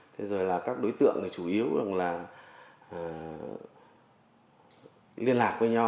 thế rồi là các đối tượng chủ yếu là liên lạc với nhau